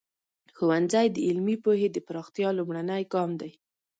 ښوونځی د علمي پوهې د پراختیا لومړنی ګام دی.